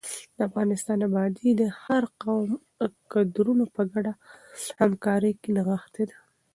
د افغانستان ابادي د هر قوم د کدرونو په ګډه همکارۍ کې نغښتې ده.